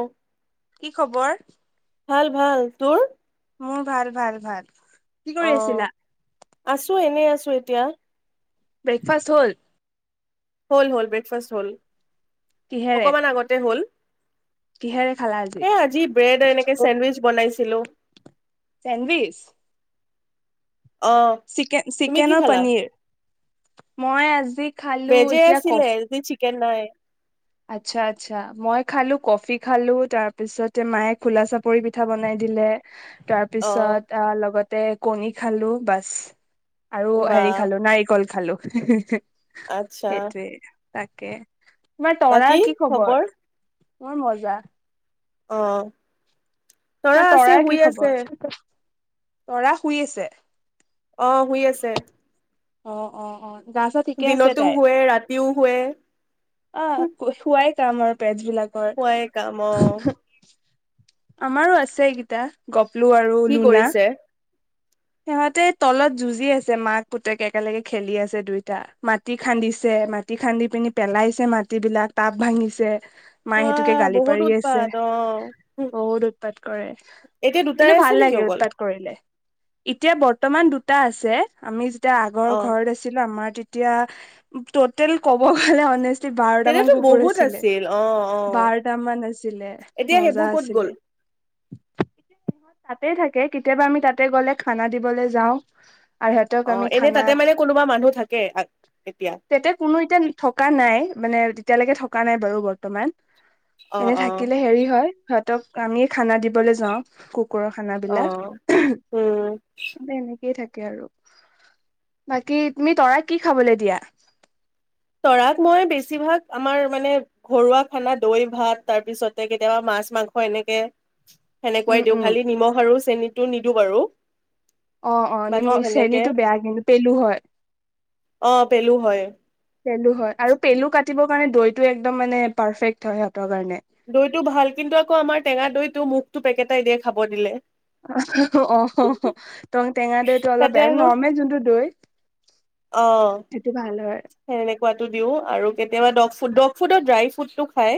আহ [inaudible] কি খবৰ ভাল ভাল তোৰ মোৰ ভাল ভাল ভাল কি অ কৰি আছিলা? আছো এনে আছ আছো এতিয়া ব্ৰেকফাষ্ট হ'ল হল হল ব্ৰেকফাষ্ট হল কিহেৰে? অকমান আগতে হ'ল কিহেৰে খালা এ আজি ব্ৰেড এনেকে চেণ্ডউইচ বনাইছিলো অ চিকে তুমি কি চিকেন আৰু খালা পনিৰ মই আজি খালো ভেজে এতিয়া কফ আছিলে কে নাই আচ্ছা আচ্ছা মই খালো কফি খালো তাৰ পিছতে মায়ে খোলা চাপৰি পিঠা বনাই দিলে তাৰ পিছত অ লগত তে কণী খালো বাছ আৰু বা হেৰি খালো নাৰিকল খালো আচ্ছা সেইটোৱে তাকে তোমাৰ তৰাৰ কি খবৰ মোৰ মজা আহ তোমাৰ তৰা আছে তৰাৰ কি শুই খবৰ? আছে তৰা শুই আছে অ শুই আছে অ অ অ গা চা ঠিকে আছে দিনতো তাইৰ শুৱে ৰাতিও শুৱে আমাৰ পেজ বিলাক পয়েকাম আমাৰো আছেকেইটা গপ লো আৰু কি লুনা কৰিছে সিহঁতে তলত যুঁজি আছে মাক পুতেক একেলগে খেলি আছে দুইটা মাটি খান্দিছে মাটি খান্দি পিনি পেলাইছে মাটিবিলাক টাব ভাঙিছে মায়ে সেতোকে আহ গালি বহুত পাৰি আছে উৎপাত অ বহুত উৎপাত কৰে এতিয়া দুটাই কিন্তু আছে ভাল নেকি লাগে অকল উৎপাত কৰিলে এতিয়া বৰ্তমান দুটা আছে আমি এতিয়া আগৰ অ ঘৰত আছিলো আমাৰ এতিয়া টটেল ক'ব গলে বাৰটা মান তেতিয়াতো কুকুৰ বহুত আছিলে আছিল অ অ বাৰটা মান আছিলে এতিয়া মজা সেইবোৰ ক'ত আছিলে গ'ল এতিয়া সিহত তাতে থাকে কেতিয়াবা আমি তাতে গ'লে খানা দিবলৈ যাওঁ আৰুহতক অ আমি এনে তাতে খানাত মানে কোনোবা মানুহ থাকে এতিয়া তেতে কোনো এতিয়া থকা নাই মানে তেতিয়ালৈকে থকা নাই বাৰু বৰ্তমান অ এনে অ থাকিলে হেৰি হয় আমি খানা দিবলৈ যাওঁ কুকুৰৰ অ খানাবিলাক উম নে এনেকেই থাকে আৰু বাকী তুমি তৰাক কি খাবলৈ দিয়া তৰাক মই বেছিভাগ আমাৰ মানে ঘৰুৱা খানা দৈ ভাত তাৰপিছতে কেতিয়াবা মাছ মাংস এনেকে উম সেনেকুৱাই দিওঁ উম খালি নিমখ আৰু চেনতটো নিদো বাৰু অ অ বাকী নিমখ সেনেকে চেনীটো বেয়া কিন্তু পেলু হয় অ পেলু হয় পেলু হয় আৰু পেলু কাটিবৰ কাৰণে দৈতটো একদম মানে পাৰফেক্ট হয় সিহঁতৰ কাৰণে দৈটো ভাল কিন্তু আকৌ আমাৰ টেঙা দৈটো মুখটো পেকেটাই দিয়ে খাব দিলে অ টং টেঙা দৈতটো অলপ বেয়া নৰ্মেল যোনটো দৈ আহ সেইটো ভাল হয় সেনেকুৱাতো দিও আৰু কেতিয়াবা দগ ফুডক ফুডৰ ড্ৰাই ফ্ৰুটটো খায়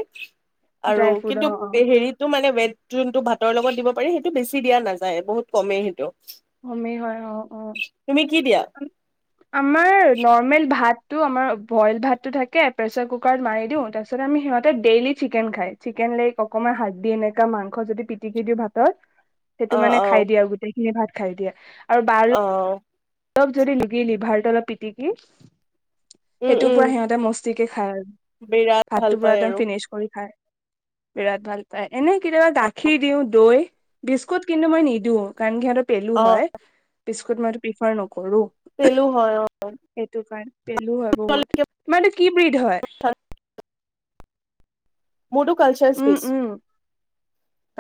আৰু ড্ৰাই ফ্ৰুট কিন্তু অ অ হেৰিতটো মানে ৱে যোনটো ভাতৰ লগত দিব পাৰি সেইটো বেছি দিয়া নাযায় বহুত কমেই সেইটো অমেই হয় অ অ তুমি কি দিয়া আমাৰ নৰ্মেল ভাত ভাতটো আমাৰ বইল ভাতটো থাকে প্ৰেচাৰ কুকাৰত মাৰি দিওঁ তাৰ পিছত আমি সিহতে ডেইলি চিকেন খাই চিকেন লেগ অকনমান হাত দি এনেকুৱা মাংস যদি পিটিকি দিওঁ ভাতত সেইটো অ অ মানে খাই দিয়ে আৰু গোটেই ধেই ভাত খাই দিয়ে আহ অলপ যদি লিগিলি ভাত তো অলপ পিটিকি উম সেইটো উম পুৰা সিহঁতে মস্তিকে খায় আৰু বিৰাট ভাল ভাতটো পুৰা পায় একদম আৰু ফিনিচ কৰি খায় বিৰাদ ভাল পাই এনেই কেতিয়াবা গাখীৰ দিওঁ দৈ বিস্কুট কিন্তু মই নিদিওঁ কাৰণ কি সহঁতক পেলো অ হয় পি খুদনাটোপিত হয় কৰো তেলো হয় অ সেইটো কাৰণে পেলু হয় বহুত তোমাৰটো কি ব্ৰীড হয়? মোৰটো কালচৰ স্পেছ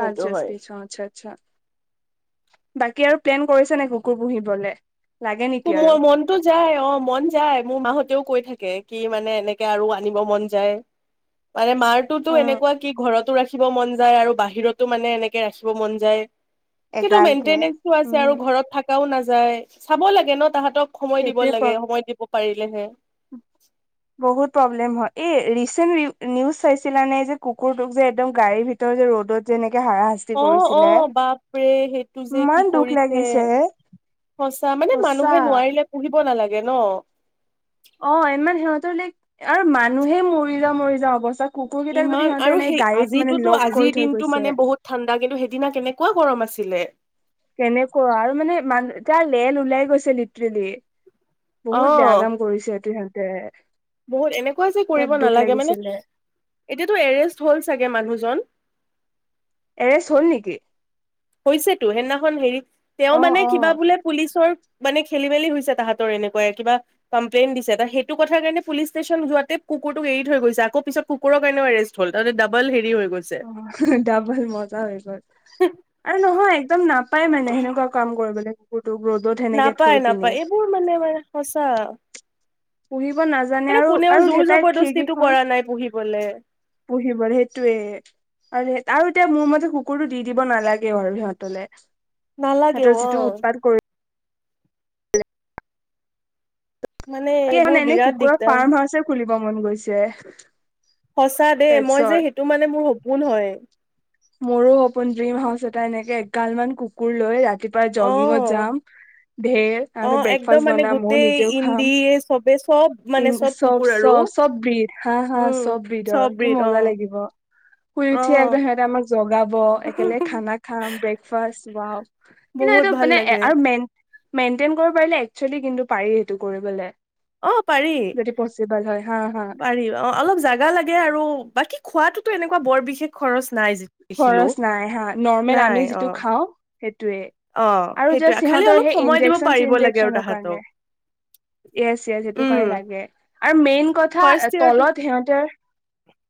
পালছ্পিছ আচ্ছা আচ্ছা বাকী আৰু প্লেন কৰিছে নে কুকুৰ পুহিবলে? লাগে নেকি আৰু মোৰ মনতো যায় অ মন যায় মোৰ মা হতেও কৈ থাকে কি মানে এনেকে আৰু আনিব মন যায় মানে মাৰটোতো উম এনেকুৱা কি ঘৰত টো ৰাখিব মন যায় আৰু বাহিৰতো মানে এনেকে ৰাখিব মন যায় কিন্তু এগালকে মেনতেনেন টো আছে উম আৰু ঘৰত থ ও নাযায় চাব লাগে এনেও তাহাঁতক সময় দিব সেইটোৱে লাগে প্ৰব সময় দিব পাৰিলেহে বহুত প্ৰব্লেম ৰিচেন্ট নিউজ চাইছিলা নে যে কুকুৰটোক যে একদম গাড়ীৰ ভিত যে ৰ'দত যেনে অ অ বাপ ৰে সেইটো যে কি ইমান দুখ কৰিছে লাগিছে সঁচা মানে মানুহে সঁচা নোৱাৰিলে পুহিব নালাগে ন অ ইমান সিহঁতৰ লে আৰু মানুহে মৰি যাওঁ মৰি যাওঁ অৱস্থাত ইমান আৰু সেই আজিতো লগ কৰি আজিৰ থৈ দিনতটো গৈছে মানে বহুত ঠাণ্ডা কিন্তু সেইদিনা কেনেকুৱা গৰম আছিলে কেনেকুৱা আৰু মানে মান তাৰ লেল ওলাই গৈছে লিট্ৰলি অ বহুত বেয়া কাম কৰিছে এইটো সেঁত ত বহুত এনেকুৱা যে কৰিব নালাগে মানে এতিয়াতো এৰেষ্ট হ'ল চাগে মানুহজন এৰেষ্ট হ'ল নেকি? হৈছেতো সেইদিনাখন হেৰিত তেওঁ অ মানে অ কিবা বোলে পুলিচৰ মানে খেলি মেলি হৈছে তাহাঁতৰ এনেকুৱাই কিবা কমপ্লেইন দিছে সেইটো কথা কাৰণে পুলিচ ষ্টেচন যোৱাতেই কুকুৰটোক এৰি থৈ গৈছে আকৌ পিছত কুকুৰৰ কাৰণে এৰেষ্ট হ'ল তাৰপছত ডাবল হেৰি হৈ গৈছে। অ ডাবল মজা হয় প আৰু নহয় একদম নাপ পায় মানে সেনেকুৱা কাম কৰিবলে নাপায় নাপায় এইবোৰ মানে ম সঁচা উৰিব নাজানে মানে আৰু কোনেও আৰু জোৰ হেতাই জবৰদস্তিটো খিৰিকীখন কৰা নাই পুহিবলে পুহিবলৈ সেইটোয়ে আৰু আৰু এতিয়া মোৰ মতে কুকুৰটো দি দিব নালাগেও আৰু সিহঁতলে নালাগে সিহঁতৰ অ যিটো উৎপাত কৰি মানে এইবোৰ এনে বিৰাট কুকুৰ দিগদাৰ ফাৰ্ম হাউচ খুলি গমন গৈছে সঁচা দেই মই যে পেটছৰ সেইটো মানে মোৰ সপোন হয় মোৰো সপোন ড্ৰিম হাউচ এটা এনেকে একগাল মান কুকুৰ লৈ ৰাতি ৰাতিপুৱা অ জগিঙত যাম ধেৰ অ ত একদম ব্ৰেকফাষ্ট মানে বনাম গোটেই নিজেও খাম। ইণ্ডিয়ে চবে চব মানে চব কুকুৰ আৰু চব ব্ৰেড হা হা উম চব ব্ৰেড চব কি ব্ৰিড অ মজা লাগিব শুই অ উঠিয় একদম সিহতে আমাক জগাব একেলগে খানা খাম ব্ৰেকফাষ্ট বাও কিন্তু বহুত এটো ভাল মানে লাগে আৰু মেন মেইনটেইন কৰিব পাৰিলে একচেলি কিন্তু পাৰি সেইটো কৰিবলে অ পাৰি যদি পচিবল হয় হা হা পাৰি অ অলপ জাগা লাগ আৰু বাকী খোৱাতোতো এনেকুৱা বৰ বিশেষ খৰচ নাই যি দেখিলো খৰচ নাই হা নৰ্মেল নাই আমি অ যিটো খাওঁ টোৱে অ আৰু জাচ সেইটোয়ে খালি সিহঁতৰ অলপ সেই সময় দিব ইনজেক পাৰিব লাগে আৰু চিনজেকচনৰ তাহাঁতক কাৰণে য়েছ য়েছ সেইটো উম কাৰণে লাগে আৰু মেইন কথা ফাৰ্ষ্ট ইয়াৰটো তলত সিহঁতে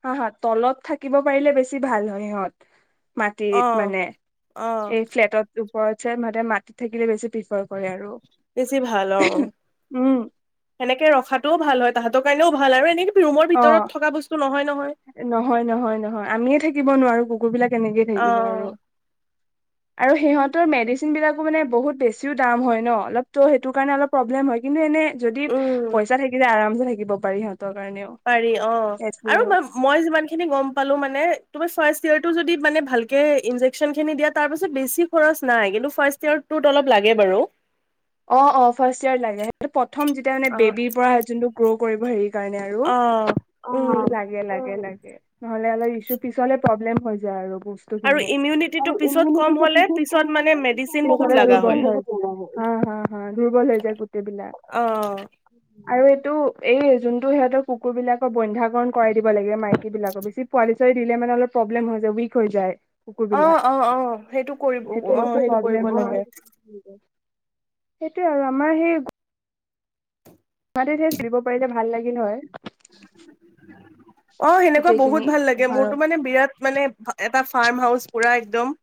হা হ তলত থাকিব পাৰিলে বেছি ভাল হয় সিহঁত মাটিত অ মানে অ এই ফ্লেটত ঘৰতচে মাতে মাটিত থাকিলে বেছি প্ৰিফাৰ কৰে আৰু বেছি ভাল অ উম সেনেকে ৰখাতটোও ভাল হয় তাহাঁতৰ কাৰণেও ভাল আৰু এনেকি অ নহয় নহয় নহয় আমিয়ে থাকিব নোৱাৰো কুকুৰবিলাক তেনেকেই অ থাকিব আৰু। আৰু সিহঁত। মেডিচিন বিলাকো মানে। বহুত বেছিও দাম হয় ন অলপ ত' সেইটো কাৰণে অলপ প্ৰব্লেম হয় কিন্তু এনে। যদি উম পইচা থাকি যায় আৰামছে। থাকিব পাৰি সিহঁতৰ কাৰণেও। পাৰি অ আৰু তেজপুৰ ম মই যিমান খিনি গম পালো মানে তোমাৰ ফাষ্ট ফাৰ্ষ্ট ইয়েৰটো যদি ভালকে ইনজেকচনখিনি দিয়ে তাৰ পিছত বেছি খৰচ নাই ফাষ্ট ইয়েৰটো অলপ লাগে বাৰু অ অ ফাৰ্ষ্ট ইয়াৰ লাগে সেইটো । প্ৰথম যেতিয়া মানে বেবীৰ পৰা যোনটো গ্ৰ'প। কৰিব হেৰি। সেইকাৰণে আৰু অ', অ উম। লাগে লাগে লাগে এ নহলে অলপ ইছ্যু পিছলে় প্ৰবলেম। হৈ যায় আৰু। বস্তু আৰু খিনি ইমিউনিটিটো আৰু পিছত কম হ'লে পিছত মানে মেডিচিন বহুত লাগা হয়। হা হা হা দুৰ্বল হৈ যায় গোটেইবিলাক অ', আৰু এটো এই যোনটো সিহঁতৰ কুকুৰ বিলাকৰ বন্ধাকৰণ কৰাই দিব লাগে ম যিবিলাক পোৱালি। থই দিলে মানে অলপ প্ৰব্লেম হয় যায় উইক হৈ যায়। কুকুৰ অ বিলাক অ অ সেইটো কৰিব অ বস্তু সেইটো প্ৰব্লেম কৰিব হয় লাগে। সেইটোয়ে আৰু আমাৰ সেই বাদেই দে চিলিব পাৰিলে ভাল লাগিলে হয় অ সেনেকোৱা গোটেইখিনি বহুত ভাল লাগে অভাৰত মোৰতো মানে বিৰাট মানে এটা ফাৰ্ম হাউচ পুৰা একদম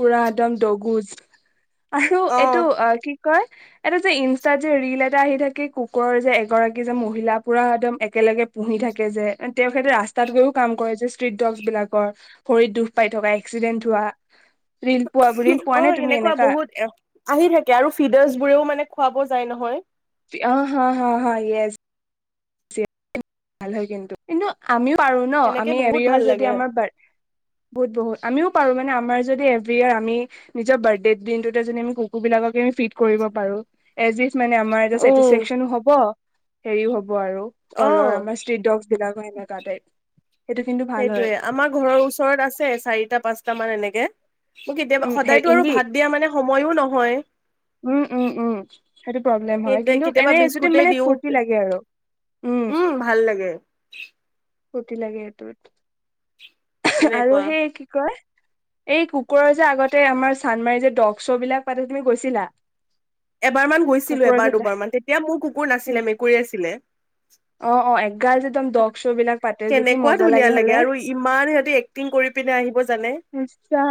পুৰা একদম দগুজ আৰু এইটো অ কি কয় এটা যে ইনষ্টাত যে ৰৰিল এটা আহি থাকে কুকুৰৰ যে এগৰাকী যে মহিলা পুৰা একদম একেলগে পুহি থাকে যে তেওঁখতে ৰাস্তাত গৈয়ও কাম কৰে যে ষ্ট্ৰিট ডগছ বিলাকৰ ভৰিত দুখ পাই থকা এক্সিডেন্ট হোৱা। ৰিল পোৱা ৰিল পোৱা অ নে তুমি সেনেকুৱা এনেকা বহুত আহি থাকে আৰু ফিডাৰছ বোৰেও মানে খুৱাব যায় ন হয় অ হা হা হা ইয়েছ ভাল হয় কিন্তু কিন্তু আমিও পাৰো ন সেনেকে আমি বহুত এৰিয়াৰ ভাল যদি লাগে আমাৰ বহুত বহুত আমিও পাৰো মানে আমাৰ যদি এভ ইয়াৰ আমি নিজৰ বাৰ্থডেৰ দিনটোতে যদি আমি কুকুৰ বিলাককে ফিট কৰিব পাৰো এজ ই মানে আমাৰ এইটো অ', চেটিছফেকচনো হ'ব, হেৰিও হ'ব। ব আৰু তলৰ আমাৰ ষ্ট্ৰীট ডগছ বিলাকৰ এনেকা টাইপ সেইটো কিন্তু ভাল হয় সেইটোয়ে আমাৰ ঘৰৰ ওচৰত আছে চাৰিটা পাঁচটা মান এনেকো এ মোৰ কেতিয়াবা উম হে সদায়তো আৰু ইন্দি ভাত দিয়া মানে সময়ো নহয় উম উম উম সেইটো প্ৰব্লেম হয় কিন্তু কেতিয়াবা এনেই যদি বিস্কুটে মানে দিওঁ ফূুৰ্তি লাগে আৰু। উম ভাল লাগে ফুৰ্তি লাগে সেইটোত আৰু সেনেকুৱা সেই কি কয় এই কুকুৰৰ যে আগতে আমাৰ চানমাৰি যে ডগ শ্ব' বিলাক পাতে তুমি গৈছিলা? এবাৰমান গৈছিলো কুকুৰৰ এবাৰ যে দুবাৰমান। তেতিয়া মোৰ কুকুৰ নাছিলে মেকুৰী আছিলে। অ অ এগাল যে একদম ডগ শ্ব' বিলাক পাতে যে কি কেনেকুৱা মজা ধুনীয়া হ'লে। লাগে আৰু ইমান সিহঁতে এক্টিং কৰি পিনে আহিব জানে, ইচ্ছা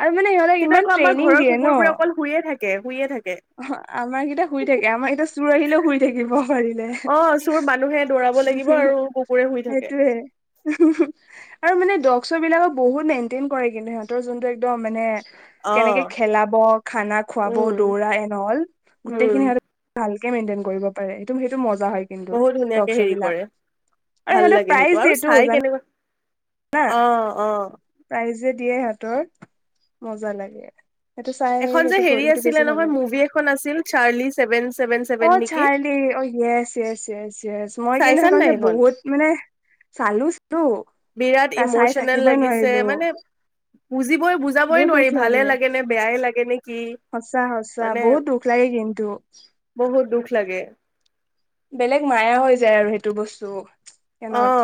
আৰু মানে সিহঁতক কিন্তু ইমান আকৌ আমাৰ ট্ৰেইনিং ঘৰৰ কুকুৰবোৰে অকল শুয়ে থাকে শুইে থাকে। অ', আমাৰ কেইটা শুই থাকে, আমাৰ কেইটা চোৰ আহিলেও শুই থাকিব। পাৰিলে অ', চোৰ মানুহে দৌৰাব লাগিব হু- হু আৰু কুকুৰে শুই থাকে সেইটোৱে ওহোঁ-ওহোঁ আৰু মানে ডগ চ, বিলাকক বহুত মেইনটেইন কৰে। কিন্তু সিহঁতৰ যোনটো একদম মানে কেনেকে অ', খেলাব খানা খুৱাব উম দৌৰা, নল গোটেই উম খিনি আৰু ভাল। মেইনটেইন কৰিব পাৰে সেইটো-সেইটো মজা, হয়', কিন্তু বহুত ধুনীয়াকে তক-চ হেৰি বিলাক কৰে আৰু ভাল সিহঁতে প্ৰাইজ দিয়েটো জানো অহ', - অহ', ৰাইজে দিয়ে হাতৰ মজা লাগে। সেইটো চাই এখন যে সেইটো হেৰি সেইটো আছিলে বেছি ভাল নহয় লাগে মুভি এখন আছিল চাৰ্লি অ চেছেভেন-চছেভেন-চছেভেন নেকি? ইয়েচ, মই কিন্তু চাইছান সেইখন নাই যে', বহুত মানে চালোচ টো, বিৰাট ইমচনেল লাগিছে, মানে বুজিবই-বুজাবই বহুত দুখ নোৱাৰি ভালে লাগে নে বেয়াই লাগে নে', কি সঁচা সঁচা মানে বহুত দুখ লাগে কিন্তু বহুত দুখ লাগে। বেলেগ মায়া হৈ যায় আৰু সেইটো বস্তু। অ', সিহঁত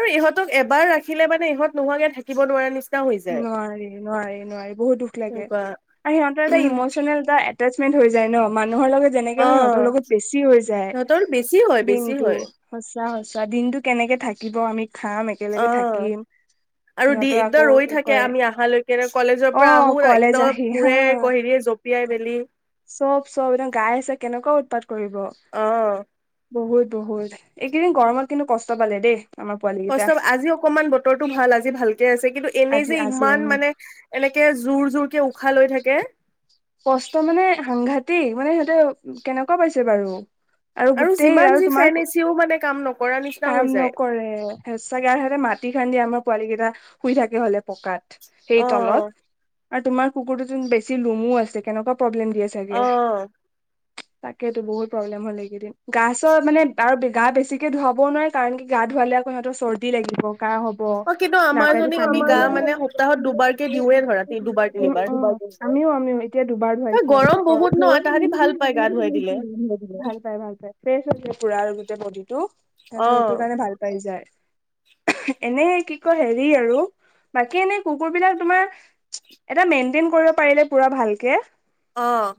আৰু ইহঁত, এবাৰ ৰাখিলে মানে ইহত নোহোৱাকে থাকিব নোৱাৰা নিচিনা, হৈ যায় নোৱাৰি', -নোৱাৰি', -নোৱাৰি', বহুত দুখ লাগে, সেনেকুৱা আৰু সিহঁতৰ এটা ইমচনেল এটা, এটেচমেণ্ট হৈ যায় ন', মান মানুহৰ লগত যেনেকে হয়, অ', সিহঁতৰ লগত বেছি হৈ যায় সিহঁতৰ বেছি হয় বেছি দিনটো, হয় চোৱা দিনটো কেনেকে থাকিব আমি, খাম, একেলগে অ', থাকিম, সিহঁতৰ আকৌ, তাকে কৰে আমি আহালৈকে, কলেজৰ অ পৰা আহো কলেজ একদম আহি হা মূৰে হেৰিয়ে জপিয়াই মেলি চব চব একদম গাই আছে কেনেকুৱা অ', বহুত-বহুত এইকেইদিন গৰমত কিন্তু কষ্ট পালে দেই। আমাৰ পোৱালি কেইটা কষ্ট আজি অকনমান বতৰটো ভাল, আজি ভালকে আছে কিন্তু, এনেই আজি যে', আজি উম ইমান মানে এনেকে জোৰ-জোৰকে উশাহ লৈ থাকে। কষ্ট মানে সাংঘাটি, তেই মানে সিহঁতে কেনেকুৱা পাইছে বাৰু, আৰু গোতেই যিমান আৰু যি তোমাৰ ফেন এচিও মানে কাম নকৰা নিচিনা কাম হৈ যায় নকৰে, হেঁচাগেহতে মাটি খান্দি আমাৰ, পোৱালী কেইটা শুই থাকে হ'লে, পকাত সেই অ তলত আৰু তোমাৰ কুকুৰটোত বেছি নুমো আছে কেনেকুৱা প্ৰব্লেম দিয়ে অ চাগে তাকেতো বহুত প্ৰব্লেম হ'ল এইকেইদিন গা চৰ মানে আৰু গা বেছিকে ধুৱাবও নোৱাৰে কাৰণ কি গা ধুৱালে আকৌ সিহঁতৰ চৰ্দি লাগিব কাহ হ'ব অ কিন্তু নাকে দি আমাৰজনীক পানী আমি সোমাই গা মানে সপ্তাহত দুবাৰকে দিওঁৱে ধৰা দুবাৰ তিনিবাৰ হব আমিও আমিও দুবাৰ ত ধুৱাইছো গৰম বহুত আৰু ন তাহাঁতি ভাল পাই গা ধুৱাই দিলে ভাল পাই ভাল পাই ফ্ৰেছ পুৰা গোটেই বডিটো সিহঁততে অ সেইটো কাৰণে ভাল পাই যায় এনে কি কয় হেৰি আৰু বাকী এনে কুকুৰ বিলাক তোমাৰ এটা মেইনটেইন কৰিব পাৰিলে পুৰা ভালে কে অ'।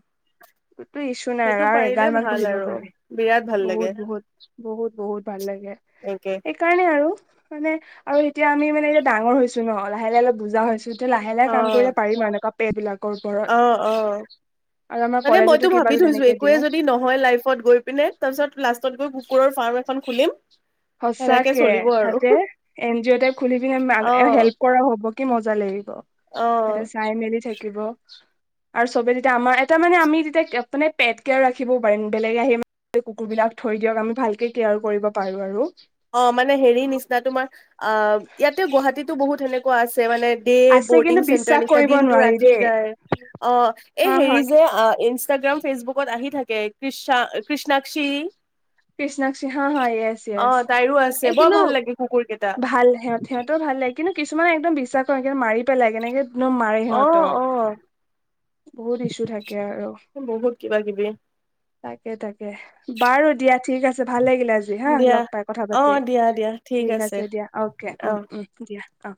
কতো ইচ্ছু নাই আৰু, সেইটো আৰু পাৰিলে এগালমান ভাল পঢ়িব আৰু পাৰে। বিৰাট ভাল লাগে বহুত বহুত বহুত বহুত ভাল লাগে। এনেকে সেইকাৰণে আৰু মানে আৰু এতিয়া আমি মানে এতিয়া ডাঙৰ হৈছো ন, লাহে লাহে অলপ বুজা হৈছো। এতিয়া অ লাহে-লাহে কাম কৰিলে পাৰিম আৰু এনকা বেৰ বিলাকৰ ওপৰত অ, অ আৰু আমাৰ মানে কলেজতো মইতো কিবা ভাবি থৈছো তেনেকে একোৱে দিওঁ যদি নহয় লাইফত গৈ পিনে তাৰপিছত লাষ্টত গৈ কুকুৰৰ ফাৰ্ম খন খুলিম সেনেকে সচাকে চলিব আৰু তাতে এন জি অ' টাইপ খুলি পিনে অ হেল্প কৰা হব কি মজা লাগিব, অ ততে চাই মেলি থাকিব আৰু চবে তেতিয়া আমাৰ, এটা মানে আমি তেতিয়া মানে পেট কেয়াৰ ৰাখিবও পাৰিম, বেলেগে আহি কুকুৰবিলাক থৈ দিয়ক আমি ভালকে কেয়াৰ কৰিব পাৰো আৰু। অ মানে হেৰি নিচিনা তোমাৰ আ, ইয়াতে গুৱাহাটীতো বহুত তেনেকুৱা আছে মানে দে আছে বৰ্ডিং কিন্তু চেণ্টাৰ বিশ্বাস নিচিনা কৰিব দিনটো নোৱাৰি ৰাখি দেই যায়, অ, হা হেৰি হা যে ইষ্টাগ্ৰাম, ফেচবুকত আহি থাকে, কৃচা -কৃষ্ণাক্ষী কৃষ্ণাক্ষী, হা- হা য়েছ, অ য়েছ। তাইৰো আছে, এই বৰ কিন্তু ভাল লাগে কুকুৰ কেইটা। ভাল সিহঁত সিহঁতেও ভাল লাগে কিন্তু কিছুমানে একদম বিশ্বাস নকৰে, মাৰি পেলাই কেনেকে মাৰে অ সিহঁতক, অ বহুত ইছো থাকে আৰু বহুত কিবা কিবি তাকে তাকে, বাৰু দিয়া। ঠিক আছে ভাল লাগিল। জি হা দিয়া লগ পাই কথা অ পাতি, দিয়া দিয়া ঠিক আছে দিয়া, অকে উম, উম দিয়া অ।